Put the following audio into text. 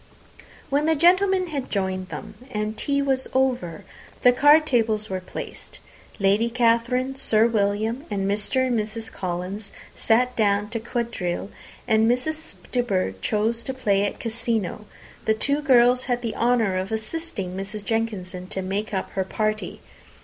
When the gentlemen had joined them, and tea was over, the card tables were placed. Lady Catherine, Sir William, and Mr. and Mrs. Collins sat down to quadrille; and as Miss De Bourgh chose to play at cassino, the two girls had the honour of assisting Mrs. Jenkinson to make up her party.